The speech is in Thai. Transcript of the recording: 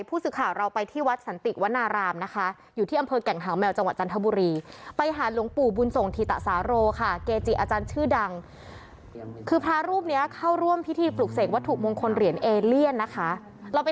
ผู้สึกข่าวเราไปที่วัดสันติกวาดนารามน์นะคะ